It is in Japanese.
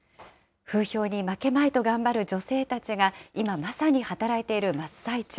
風評に負けまいと頑張る女性たちが、今まさに働いている真っ最中。